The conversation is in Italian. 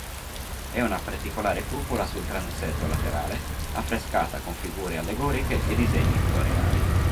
E una particolare cupola sul transetto laterale affrescata con figure allegoriche e disegni floreali.